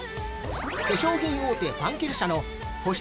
化粧品大手ファンケル社の保湿